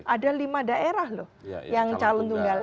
ada lima daerah loh yang calon tunggal